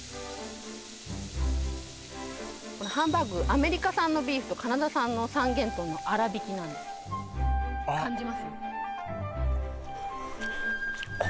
このハンバーグアメリカ産のビーフとカナダ産の三元豚の粗びきなんですあっ感じます？